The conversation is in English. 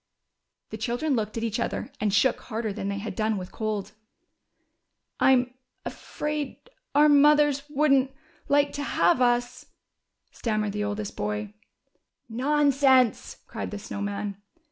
The children looked at each other and shook harder than they had done with cold. I'm — afraid our mothers — wouldn't — like to have us," stammered the oldest boy. Nonsense !" cried the Snow Man.